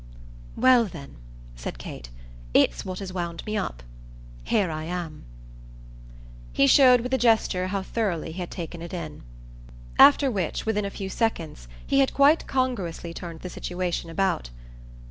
"Well then," said Kate, "it's what has wound me up. Here I am." He showed with a gesture how thoroughly he had taken it in; after which, within a few seconds, he had quite congruously turned the situation about.